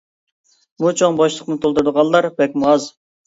بۇ چوڭ بوشلۇقنى تولدۇرىدىغانلار بەكمۇ ئاز!